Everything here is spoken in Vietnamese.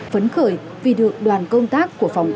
phấn khởi vì được đoàn công tác của phạm mạch đạt